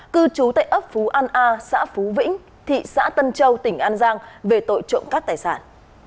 cư trú tại ấp phú an a xã phú vĩnh thị xã tân châu tỉnh an giang về tội trộm cắt tài sản